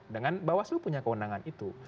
dengan bahwa seluruh punya kewenangan itu